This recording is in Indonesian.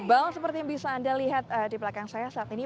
iqbal seperti yang bisa anda lihat di belakang saya saat ini